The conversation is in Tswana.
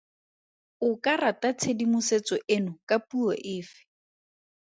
O ka rata tshedimosetso eno ka puo efe?